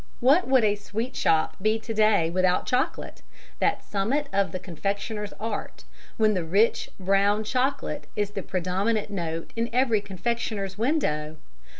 What would a "sweetshop" be to day without chocolate, that summit of the confectioner's art, when the rich brown of chocolate is the predominant note in every confectioner's window?